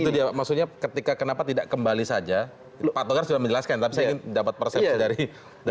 itu dia maksudnya ketika kenapa tidak kembali saja pak togar sudah menjelaskan tapi saya ingin dapat persepsi dari